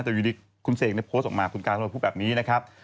แต่อยู่ดีคุณเสกโพสต์ออกมาคุณการมาพูดแบบนี้นะครับ